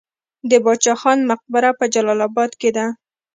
د باچا خان مقبره په جلال اباد کې ده